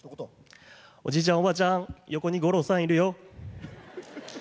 おじいちゃん、おばあちゃん横に五郎さんいるよ。